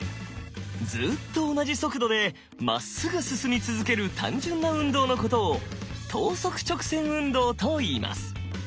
ずっと同じ速度でまっすぐ進み続ける単純な運動のことを等速直線運動といいます。